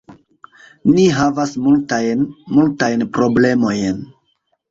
Ni havas multajn, multajn problemojn.